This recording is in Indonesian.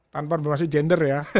tanpa bermaksud gender ya